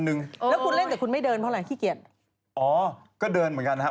ซ้อมอยู่เรียกโปรเกมอนไปด้วยรำนานสายเขาออกจะหยาดไหม